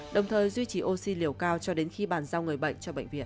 đồng thời duy trì oxy liều cao cho đến khi bàn giao người bệnh cho bệnh viện